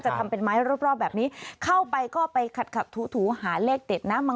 ทำเป็นไม้รอบแบบนี้เข้าไปก็ไปขัดขัดถูถูหาเลขเด็ดนะ